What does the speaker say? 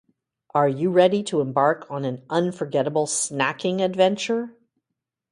Are you ready to embark on an unforgettable snacking adventure?